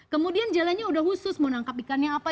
kemudian jalannya udah khusus mau nangkap ikan yang apa